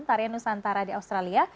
harian nusantara di australia